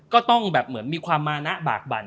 ก็ต้องแบบเหมือนมีความมานะบากบั่น